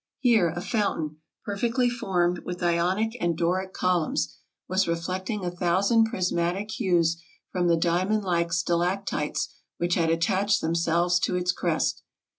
Here a fountain, perfectly formed, with Ionic and Doric columns, was reflecting a thousand prismatic hues from the diamond like stalactites which had attached them selves to its crest.